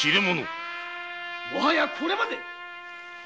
もはやこれまで。